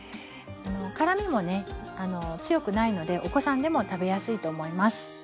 辛みもね強くないのでお子さんでも食べやすいと思います。